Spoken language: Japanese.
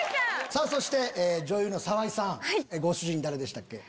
さぁそして女優の沢井さんご主人誰でしたっけ？